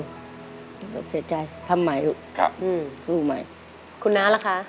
เกิดเสียใจทำใหม่ครับอืมหรือคุณน้าแล้วคะ